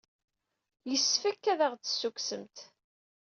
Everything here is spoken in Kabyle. Yessefk ad aɣ-d-tessukksemt.